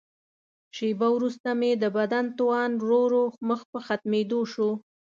شیبه وروسته مې د بدن توان ورو ورو مخ په ختمېدو شو.